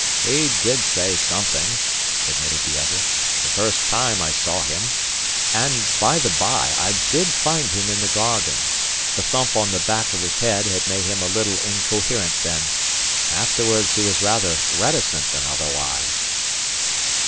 "He did say something," admitted the other, "the first time I saw him. And, by the bye, I did find him in the garden. The thump on the back of his head had made him a little incoherent then. Afterwards he was rather reticent than otherwise."